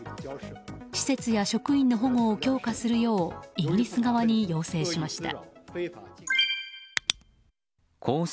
施設や職員の保護を強化するようイギリス側に要請しました。